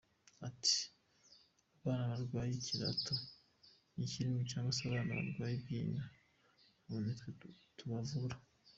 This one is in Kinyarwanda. Ati “Abana barwaye ikirato, ikirimi cyangwa se abana barwaye ibyinyo, abo nitwe tubavura.